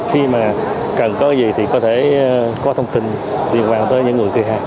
khi mà cần có gì thì có thể có thông tin liên quan tới những người kia